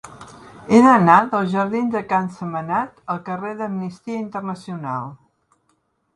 He d'anar dels jardins de Can Sentmenat al carrer d'Amnistia Internacional.